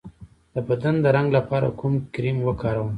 د بدن د رنګ لپاره کوم کریم وکاروم؟